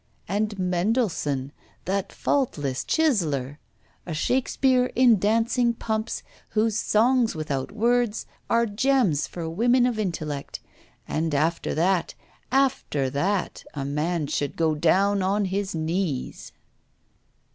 And Mendelssohn, that faultless chiseller! a Shakespeare in dancing pumps, whose "songs without words" are gems for women of intellect! And after that after that a man should go down on his knees.